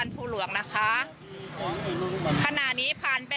ผู้บาดเจ็บเลยค่ะ